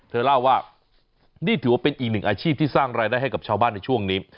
เธอเล่าว่านี่ถือว่าเป็นอีกหนึ่งอาชีพที่สร้างรายได้ให้กับชาวบ้านในช่วงนี้